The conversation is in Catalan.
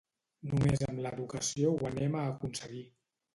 Només amb l’educació ho anem a aconseguir.